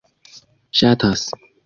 ŝatas